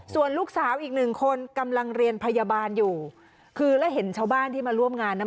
ส่วนลูกสาวอีกหนึ่งคนกำลังเรียนพยาบาลอยู่คือแล้วเห็นชาวบ้านที่มาร่วมงานนะ